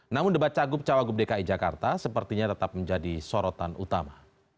namun debat cagup cawagup dki jakarta sepertinya tetap menjadi sorotan utama